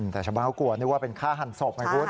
แต่ชาวบ้านเขากลัวนึกว่าเป็นฆ่าหันศพไงคุณ